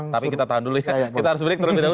tapi kita tahan dulu ya kita harus berikun lebih dulu